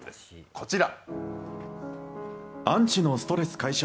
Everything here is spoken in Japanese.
こちら。